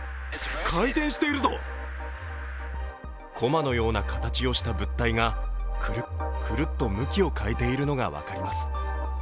駒のような形をした物体がくるっくるっと向きを変えているのが分かります。